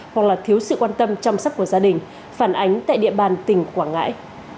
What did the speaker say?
hoặc là thiếu sự quan tâm chăm sóc của gia đình phản ánh tại địa bàn tỉnh quảng ngãi